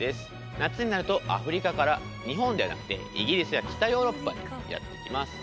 夏になるとアフリカから日本ではなくてイギリスや北ヨーロッパにやって来ます。